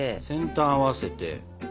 先端合わせて。